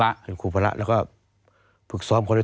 ตั้งแต่ปี๒๕๓๙๒๕๔๘